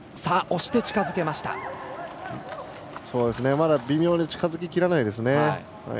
まだ微妙に近づききらないですね。